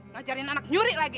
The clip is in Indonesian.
ngajarin anak nyuri lagi